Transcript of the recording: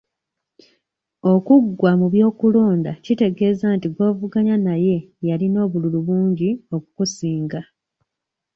Okuggwa mu by'okulonda kitegeeza nti gw'ovuganya naye yalina obululu bungi okukusinga.